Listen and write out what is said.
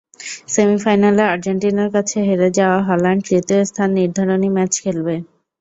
সেমিফাইনালে আর্জেন্টিনার কাছে হেরে যাওয়া হল্যান্ড তৃতীয় স্থান নির্ধারণী ম্যাচ খেলবে।